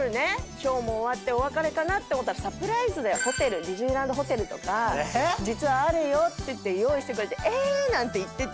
ショーも終わってお別れかなと思ったらサプライズでディズニーランドホテルとか実はあるよって言って用意してくれてえっ⁉なんて言ってて。